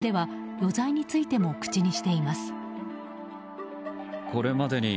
供述では余罪についても口にしています。